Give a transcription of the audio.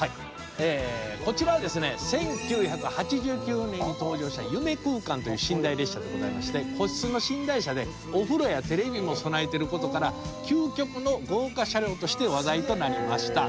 こちらはですね１９８９年に登場した夢空間という寝台列車でございまして個室の寝台車でお風呂やテレビも備えてることから究極の豪華車両として話題となりました。